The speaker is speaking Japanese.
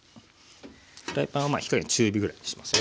フライパンは火加減中火ぐらいにしますよ。